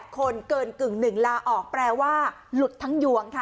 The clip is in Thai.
คนเกินกึ่งหนึ่งลาออกแปลว่าหลุดทั้งยวงค่ะ